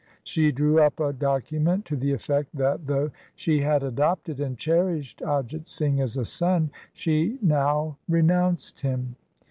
She drew up a document to the effect that, though she had adopted and cherished Ajit Singh as a son, she now re nounced him.